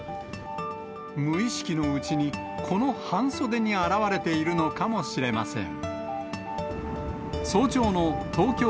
無意識のうちに、この半袖に表れているのかもしれません。